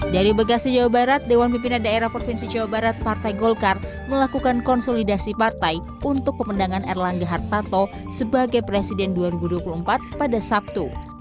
dari bekasi jawa barat dewan pimpinan daerah provinsi jawa barat partai golkar melakukan konsolidasi partai untuk pemenangan erlangga hartarto sebagai presiden dua ribu dua puluh empat pada sabtu